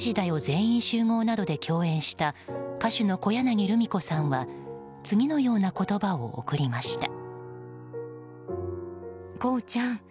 全員集合」などで共演した歌手の小柳ルミ子さんは次のような言葉を送りました。